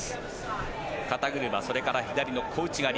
肩車、それから左の小内刈り。